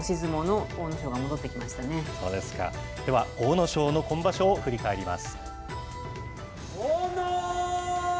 では、阿武咲の今場所を振り返ります。